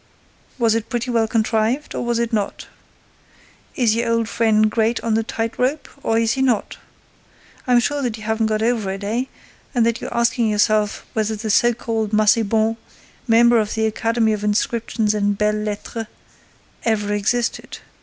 "Was it pretty well contrived, or was it not? Is your old friend great on the tight rope, or is he not? I'm sure that you haven't got over it, eh, and that you're asking yourself whether the so called Massiban, member of the Academy of Inscriptions and Belles Lettres, ever existed.